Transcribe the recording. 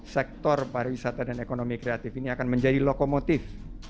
sektor pariwisata dan ekonomi kreatif ini akan menjadi lokomotif